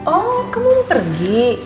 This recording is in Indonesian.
oh kamu mau pergi